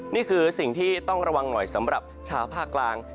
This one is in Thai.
นี่คือสิ่งที่ต้องระวังหน่อยสำหรับชาวภาคกลาง